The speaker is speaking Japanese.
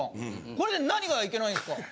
これで何がいけないんすか！？